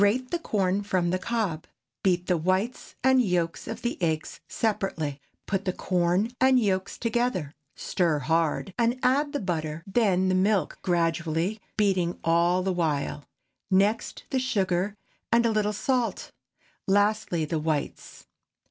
Grate the corn from the cob; beat the whites and yolks of the eggs separately. Put the corn and yolks together, stir hard, and add the butter; then the milk gradually, beating all the while; next the sugar and a little salt; lastly the whites.